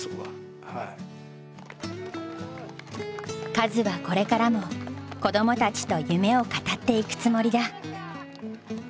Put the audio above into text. カズはこれからも子どもたちと夢を語っていくつもりだ。